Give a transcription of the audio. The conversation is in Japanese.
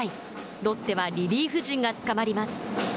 ロッテはリリーフ陣がつかまります。